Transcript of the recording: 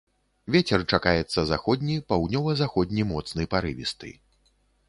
Вецер чакаецца заходні, паўднёва-заходні моцны парывісты.